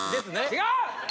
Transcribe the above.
違う